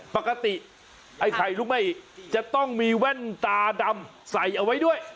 ปกติไอ้ไข่ลูกไหม้จะต้องมีแว่นตาดำใส่เอาไว้ด้วย